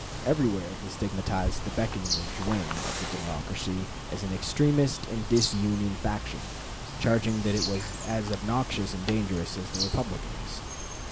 Everywhere he stigmatized the Breckinridge wing of the Democracy as an extremist and disunion faction, charging that it was as obnoxious and dangerous as the Republicans.